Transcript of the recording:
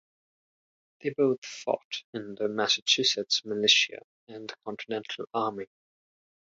They both fought in the Massachusetts Militia, and the Continental Army.